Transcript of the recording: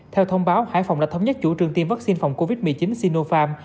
theo thông báo hải phòng đã thống nhất chủ trương tiêm vaccine phòng covid một mươi chín sinopharm